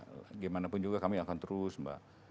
bagaimanapun juga kami akan terus mbak